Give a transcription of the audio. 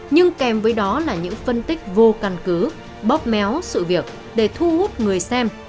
nhưng kèm với đó là những phân tích vô căn cứ bóp méo sự việc để thu hút người xem